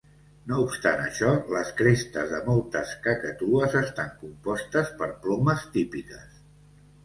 No obstant això, les crestes de moltes cacatues estan compostes per plomes típiques.